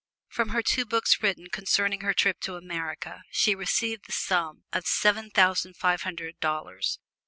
From her two books written concerning her trip to America she received the sum of seven thousand five hundred dollars.